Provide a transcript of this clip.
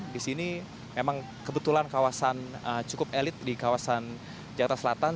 di sini memang kebetulan kawasan cukup elit di kawasan jakarta selatan